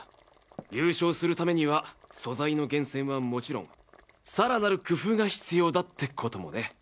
優勝するためには素材の厳選はもちろんさらなる工夫が必要だってこともね。